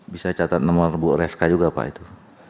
bisa catat nomor bu reska juga pak itu